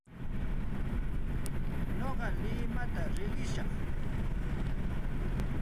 Nuqa limatam riqishaq.